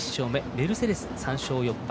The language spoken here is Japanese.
メルセデス３勝４敗。